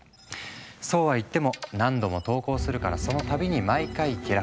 そうはいっても何度も投稿するからその度に毎回下落。